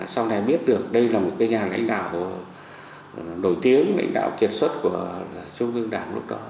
sau này biết được đây là một nhà lãnh đạo nổi tiếng lãnh đạo kiệt xuất của trung ương đảng lúc đó